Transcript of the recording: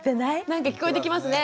なんか聞こえてきますね。